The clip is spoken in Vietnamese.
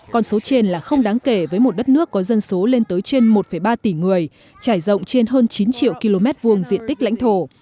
con số trên là không đáng kể với một đất nước có dân số lên tới trên một ba tỷ người trải rộng trên hơn chín triệu km hai diện tích lãnh thổ